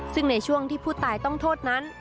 ซึ่งในช่วงที่ผู้ตายต้องโทษนั้น